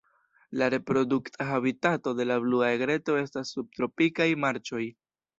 La reprodukta habitato de la Blua egreto estas subtropikaj marĉoj.